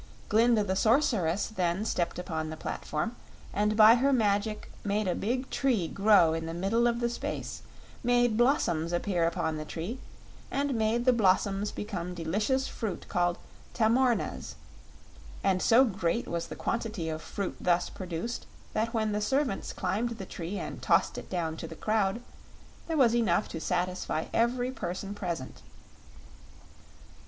Glinda the Sorceress then stepped upon the platform, and by her magic made a big tree grow in the middle of the space, made blossoms appear upon the tree, and made the blossoms become delicious fruit called tamornas, and so great was the quantity of fruit produced that when the servants climbed the tree and tossed it down to the crowd, there was enough to satisfy every person present.